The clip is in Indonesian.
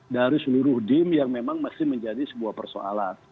dari seluruh dim yang memang masih menjadi sebuah persoalan